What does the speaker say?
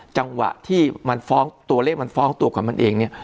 จังหวะที่มันฟ้องตัวเลขมันฟ้องตัวกับมันเองเนี่ย